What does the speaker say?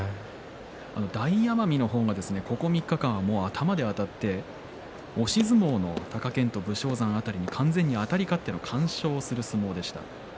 大奄美の方がここ３日間頭であたって押し相撲の貴健斗、武将山辺りに完全にあたり勝っての完勝でした。